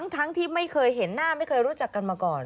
ทั้งที่ไม่เคยเห็นหน้าไม่เคยรู้จักกันมาก่อน